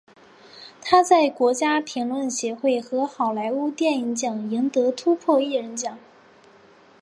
他在国家评论协会和好莱坞电影奖赢得突破艺人奖。